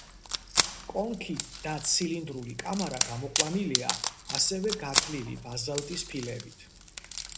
კონქი და ცილინდრული კამარა გამოყვანილია ასევე გათლილი ბაზალტის ფილებით.